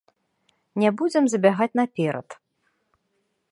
Не будзем забягаць наперад.